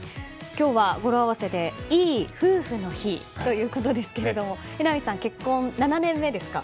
今日は、ごろ合わせでいい夫婦の日ということですが榎並さん、結婚７年目ですか。